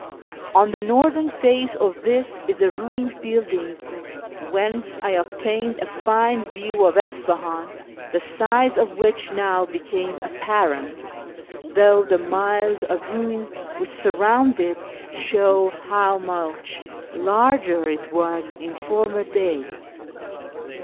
On the northern face of this is a ruined building, whence I obtained a fine view of Isfahan, the size of which now became apparent, though the miles of ruins which surround it show how much larger it was in former days.